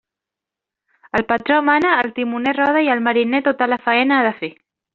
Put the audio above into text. El patró mana, el timoner roda i el mariner tota la faena ha de fer.